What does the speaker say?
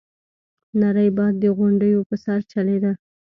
نری باد د غونډيو په سر چلېده.